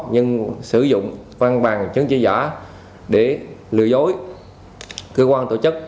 nhưng sử dụng văn bằng chứng chỉ giả để lừa dối cơ quan tổ chức